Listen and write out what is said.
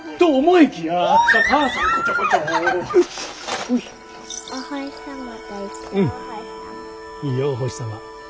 いいよお星様。